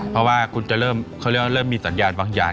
เพราะว่าคุณจะเริ่มเขาเรียกว่าเริ่มมีสัญญาณบางอย่าง